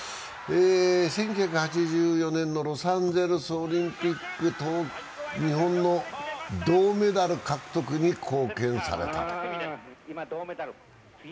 １９８４年のロサンゼルスオリンピック、日本の銅メダル獲得に貢献された。